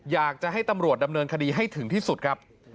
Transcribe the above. อยากจะให้ตำรวจดำเนินคดีให้ถึงที่สุดครับ